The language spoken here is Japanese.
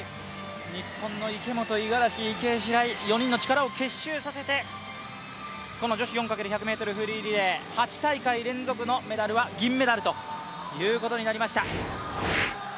日本の池本、五十嵐、池江、白井、４人の力を結集させてこの女子４×１００ｍフリーリレー、８大会連続のメダルは銀メダルとなりました。